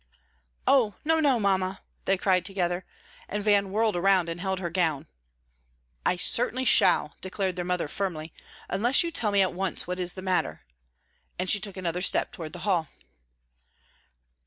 "Oh, no, no, Mamma!" they cried together, and Van whirled around and held her gown. "I certainly shall," declared their mother, firmly, "unless you tell me at once what is the matter," and she took another step toward the hall.